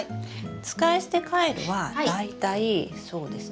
使い捨てカイロは大体そうですね